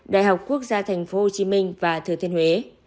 đại học quốc gia tp hcm và thừa thiên huế